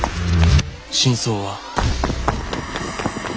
「真相は」。